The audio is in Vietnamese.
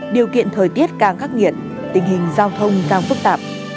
điều kiện thời tiết càng khắc nghiệt tình hình giao thông càng phức tạp